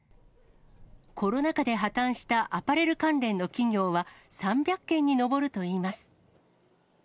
コロナ禍で破綻したアパレル関連の企業は、３００件に上るといいます。